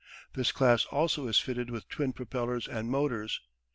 This class also is fitted with twin propellers and motors.